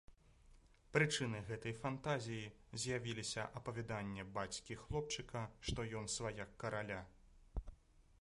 Прычынай гэтай фантазіі з'явіліся апавяданні бацькі хлопчыка, што ён сваяк караля.